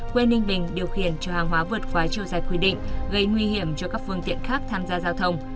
quê ninh bình điều khiển chở hàng hóa vượt quá chiều dài quy định gây nguy hiểm cho các phương tiện khác tham gia giao thông